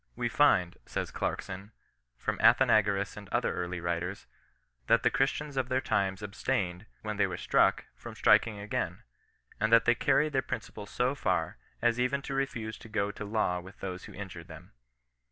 '^" We find," says Clarkson," £rom Athenagoras and other early writers, that the Chris tians of their times abstained, when they were struck from striking again ; and that they carried their princi ples so far, as even to refuse to go to law with those who injured them."